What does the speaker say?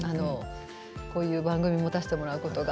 こういう番組を持たせてもらうことが。